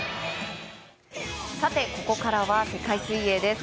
ここからは世界水泳です。